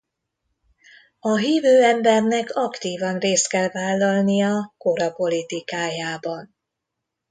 A hívő embernek aktívan részt kell vállalnia kora politikájában.